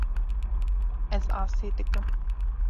Ez asê dikim.